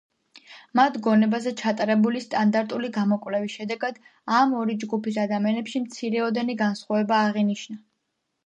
მათ გონებაზე ჩატარებული სტანდარტული გამოკვლევის შედეგად, ამ ორი ჯგუფის ადამიანებში მცირეოდენი განსხვავება აღინიშნა.